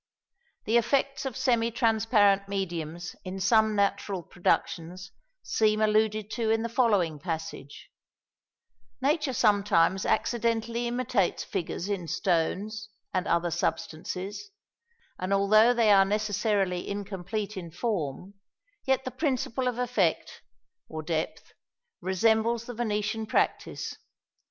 " The effects of semi transparent mediums in some natural productions seem alluded to in the following passage "Nature sometimes accidentally imitates figures in stones and other substances, and although they are necessarily incomplete in form, yet the principle of effect (depth) resembles the Venetian practice."